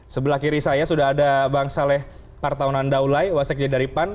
sebelah kiri saya sudah ada bang saleh partaunan daulai wasek j daripan